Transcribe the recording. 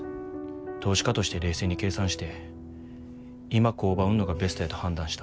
投資家として冷静に計算して今工場を売んのがベストやと判断した。